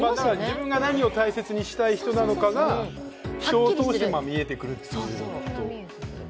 自分が何を大切にしたい人なのかが他人を通して見えてくるっていう。